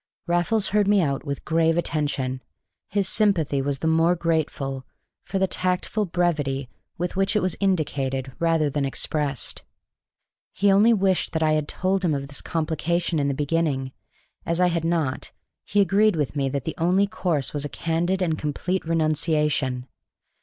Raffles heard me out with grave attention. His sympathy was the more grateful for the tactful brevity with which it was indicated rather than expressed. He only wished that I had told him of this complication in the beginning; as I had not, he agreed with me that the only course was a candid and complete renunciation.